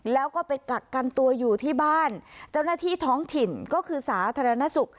แล้วก็ไปกักกันตัวอยู่ที่บ้านเจ้าหน้าที่ท้องถิ่นก็คือสาธารณสุข